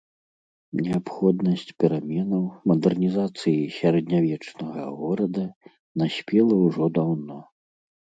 Неабходнасць пераменаў, мадэрнізацыі сярэднявечнага горада, наспела ўжо даўно.